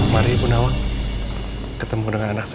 mari ibu nawa ketemu dengan anak saya